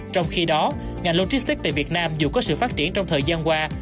trong khi đó ngành logistics tại việt nam dù có sự phát triển trong thời gian qua